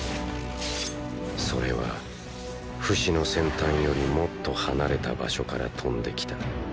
それはフシの“先端”よりもっと離れた場所から飛んできた。